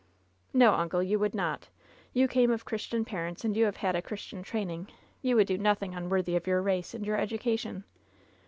'' "No, uncle, you would not. You came of Christian parents, and you have had a Christian training. You would do nothing unworthy of your race and your edu cation.